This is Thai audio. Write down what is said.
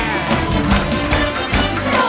โทษให้โทษให้โทษให้